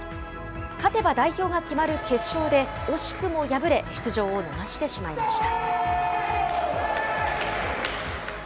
勝てば代表が決まる決勝で、惜しくも敗れ、出場を逃してしまいました。